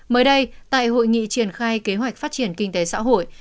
mới đây tại hội nghị triển khai kế hoạch phát triển kinh tế xã hội